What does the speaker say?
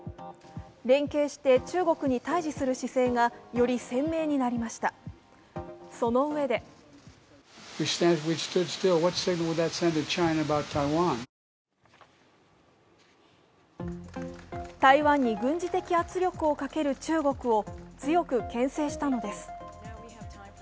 連携して中国に対じする姿勢がより鮮明になりました、そのうえで台湾に軍事的圧力をかける中国を強く牽制したのです。